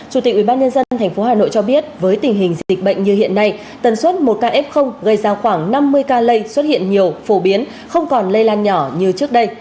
chủ tịch ubnd tp hà nội cho biết với tình hình dịch bệnh như hiện nay tần suất một kf gây ra khoảng năm mươi ca lây xuất hiện nhiều phổ biến không còn lây lan nhỏ như trước đây